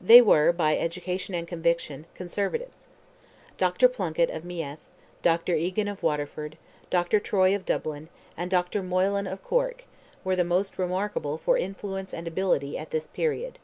They were, by education and conviction, conservatives. Dr. Plunkett of Meath, Dr. Egan of Waterford, Dr. Troy of Dublin, and Dr. Moylan of Cork, were the most remarkable for influence and ability at this period.